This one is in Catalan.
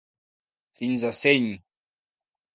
Fins a seny.